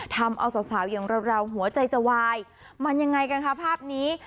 ทำเอาสาวอย่างเราหัวใจจะวายมันยังไงกันคะภาพนี้